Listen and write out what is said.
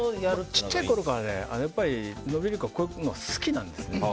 小さいころから、伸びる子はこういうのが好きなんです。